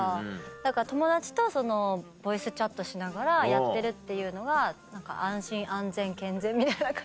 だから友達とボイスチャットしながらやってるっていうのが安心安全健全みたいな感じ。